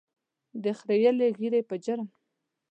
د خرییلې ږیرې په جرم.